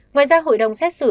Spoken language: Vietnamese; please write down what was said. ngoài ra hội đồng xét xử